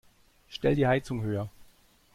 Stell die Heizung höher.